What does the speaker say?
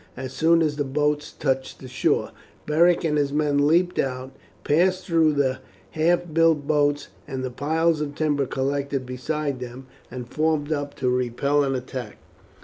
As soon as the boats touched the shore, Beric and his men leapt out, passed through the half built boats and the piles of timber collected beside them, and formed up to repel an attack.